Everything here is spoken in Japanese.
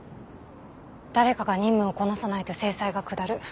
誰かが任務をこなさないと制裁が下る。